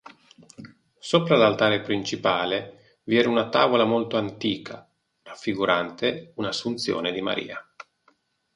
Sopra l'altare principale vi era una tavola molto antica raffigurante un"'Assunzione di Maria".